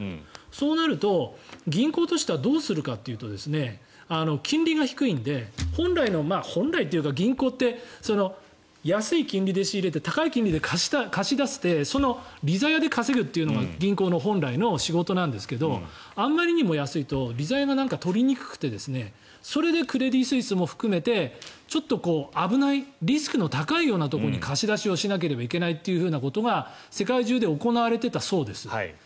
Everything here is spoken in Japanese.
そうなると、銀行としてはどうするかというと金利が低いので、本来の本来というか、銀行って安い金利で仕入れて高い金利で貸し出してその利ざやで稼ぐのが銀行の本来の仕事なんですがあまりにも安いと利ざやが取りにくくてそれでクレディ・スイスも含めてちょっと危ないリスクの高いようなところに貸し出しをしなければいけないというところが世界中で行われていたそうです。